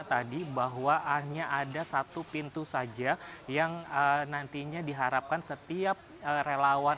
jadi bahwa hanya ada satu pintu saja yang nantinya diharapkan setiap relawan